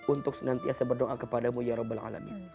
untuk senantiasa berdoa kepadamu ya rabbil alamin